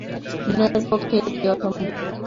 বিনয়ের পক্ষে এ কি অসম্ভব?